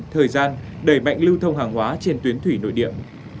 thời gian đẩy mạnh lưu thông hàng hóa trên tuyến thủy nội địa